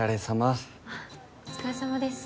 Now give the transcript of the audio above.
あお疲れさまです。